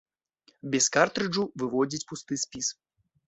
Без картрыджу выводзіць пусты спіс.